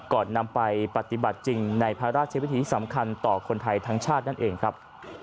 ก่อนนำไปปฏิบัติจริงในพระราชวิธีที่สำคัญต่อคนไทยทั้งชาตินั่นเองครับ